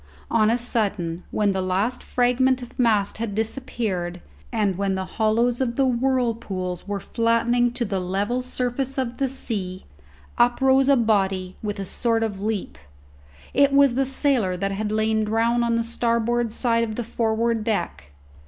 On a sudden, when the last fragment of mast had disappeared, and when the hollows of the whirlpools were flattening to the level surface of the sea, up rose a body, with a sort of leap. It was the sailor that had lain drowned on the starboard side of the forward deck.